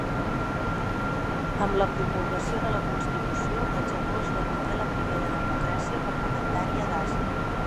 Amb la promulgació de la constitució, el Japó esdevingué la primera democràcia parlamentària d'Àsia.